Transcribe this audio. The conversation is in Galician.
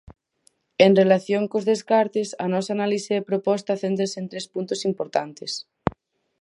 En relación cos descartes, a nosa análise e proposta céntrase en tres puntos importantes.